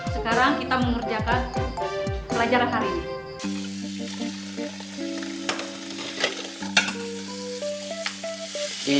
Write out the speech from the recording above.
sekarang kita mengerjakan pelajaran hari ini